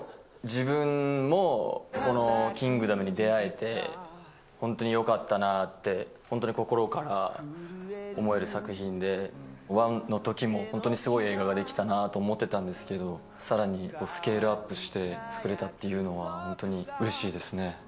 自分もこのキングダムに出会えて、本当によかったなあって、本当に心から思える作品で、１のときも、本当にすごい映画が出来たなと思ってたんですけれども、さらにスケールアップして作れたっていうのは、本当にうれしいですね。